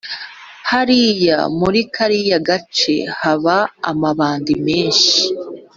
Hariya muri kariya gace haba amabandi benshi